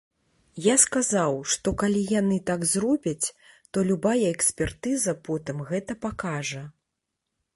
Я сказаў, што калі яны так зробяць, то любая экспертыза потым гэта пакажа.